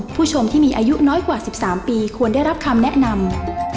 ผู้ชมที่มีอายุน้อยกว่า๑๓ปีควรได้รับคำแนะนำ